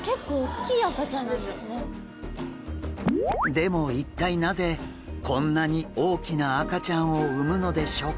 でも一体なぜこんなに大きな赤ちゃんを産むのでしょうか？